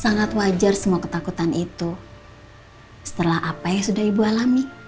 sangat wajar semua ketakutan itu setelah apa yang sudah ibu alami